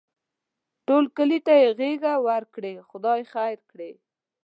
ټول کلي ته یې غېږه ورکړې؛ خدای خیر کړي.